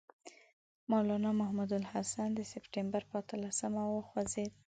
مولنا محمود الحسن د سپټمبر پر اتلسمه وخوځېد.